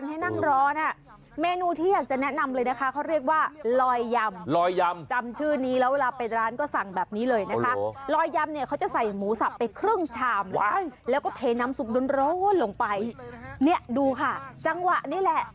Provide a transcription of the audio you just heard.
หนีออกจากบ้านไปแล้วหายไปนานไง